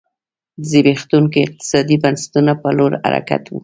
د زبېښونکو اقتصادي بنسټونو په لور حرکت و.